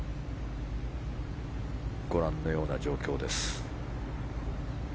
ご覧のような状況です。